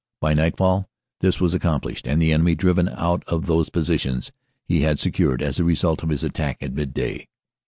By nightfall this was accomplished, and the enemy driven out of those positions he had secured as a result of his attack at midday.